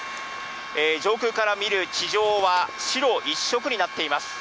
上空から見る地上は、白一色になっています。